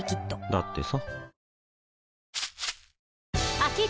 だってさ